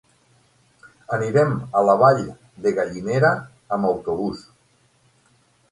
Anirem a la Vall de Gallinera amb autobús.